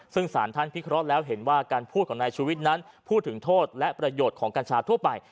ซึ่งสารท่านพิเคราะห์แล้วเห็นว่าการพูดของนายชูวิทย์นั้นพูดถึงโทษและประโยชน์ของกัญชาทั่วไป